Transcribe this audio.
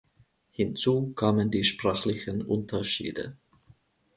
Hinzu kamen die sprachlichen Unterschiede.